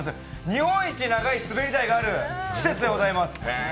日本一長い滑り台がある施設でございます。